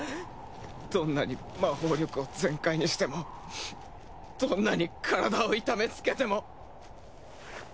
どんなに魔法力を全開にしてもどんなに体を痛めつけても。